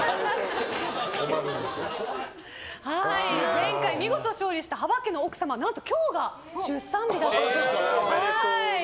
前回見事勝利した幅家の奥様、何と今日が出産日だそうです。